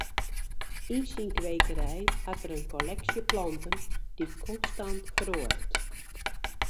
Yn syn kwekerij hat er in kolleksje planten dy't konstant feroaret.